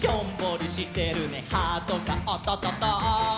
「ハートがおっとっとっと」